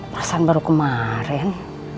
perasaan baru kemaren